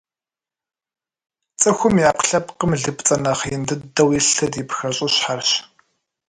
Цӏыхум и ӏэпкълъэпкъым лыпцӏэ нэхъ ин дыдэу илъыр и пхэщӏыщхьэрщ.